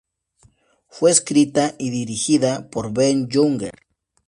Fue escrita y dirigida por Ben Younger.